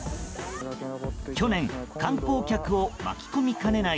去年、観光客を巻き込みかねない